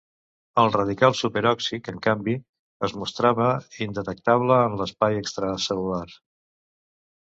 El radical superòxid, en canvi, es mostrava indetectable en l’espai extracel·lular.